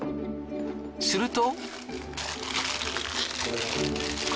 すると。